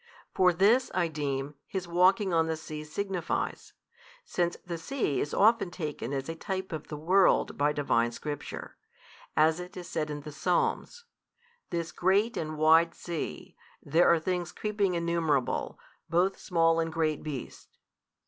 For this I deem His walking on the sea signifies, since the sea is often taken as a type of the world by Divine Scripture, as it is said in the Psalms, This great and wide sea, there are things creeping innumerable, both small and great beasts.